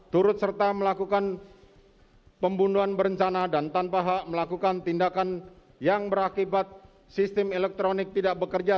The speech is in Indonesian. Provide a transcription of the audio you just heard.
turut serta melakukan pembunuhan berencana dan tanpa hak melakukan tindakan yang berakibat sistem elektronik tidak bekerja